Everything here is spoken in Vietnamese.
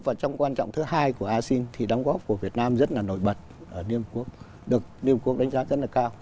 và trong quan trọng thứ hai của a xin thì đóng góp của việt nam rất là nổi bật ở liên hiệp quốc được liên hiệp quốc đánh giá rất là cao